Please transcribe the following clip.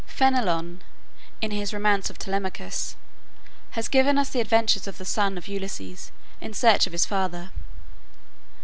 Fenelon, in his romance of "Telemachus," has given us the adventures of the son of Ulysses in search of his father.